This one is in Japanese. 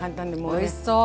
おいしそう。